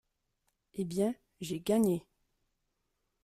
Eh bien, j’ai gagné !…